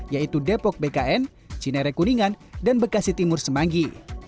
yaitu depok bkn cinere kuningan dan bekasi timur semanggi